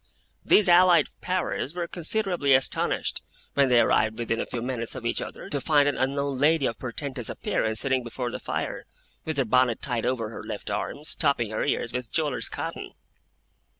Those allied powers were considerably astonished, when they arrived within a few minutes of each other, to find an unknown lady of portentous appearance, sitting before the fire, with her bonnet tied over her left arm, stopping her ears with jewellers' cotton.